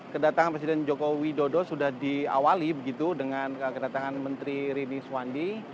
kedatangan presiden joko widodo sudah diawali begitu dengan kedatangan menteri rini suwandi